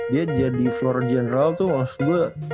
dia jadi floor general tuh was gue